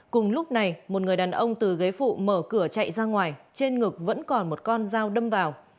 cùng lúc này một người đàn ông từ ghế phụ mở cửa chạy ra ngoài trên ngực vẫn còn một con dao đâm vào